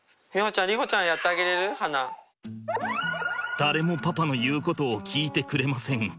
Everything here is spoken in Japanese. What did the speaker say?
誰もパパの言うことを聞いてくれません。